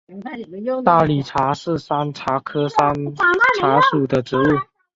大理茶是山茶科山茶属的植物。